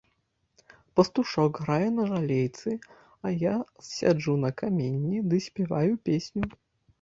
Пастушок грае на жалейцы, а я сяджу на каменні ды спяваю песню.